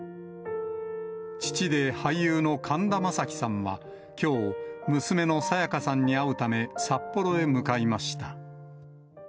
父で俳優の神田正輝さんは、きょう、娘の沙也加さんに会うため、札幌へ向かいました。